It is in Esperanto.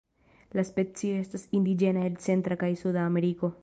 La specio estas indiĝena el Centra kaj Suda Ameriko.